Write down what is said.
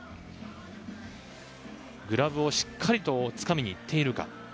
グラブをしっかりとつかみにいっているか。